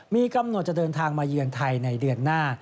มีกำหนดจะเดินทางมาเยือนไทยในเดือนหน้า